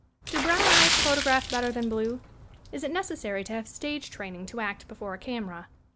"Do brown eyes photograph better than blue?" "Is it necessary to have stage training to act before a camera?"